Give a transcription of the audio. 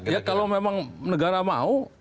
ya kalau memang negara mau